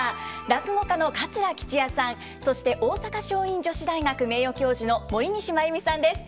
落語家の桂吉弥さんそして大阪樟蔭女子大学名誉教授の森西真弓さんです。